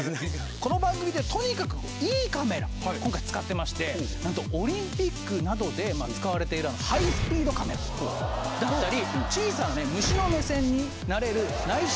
この番組ではとにかくいいカメラ今回使ってましてなんとオリンピックなどで使われているハイスピードカメラだったり小さな虫の目線になれる内視鏡カメラ。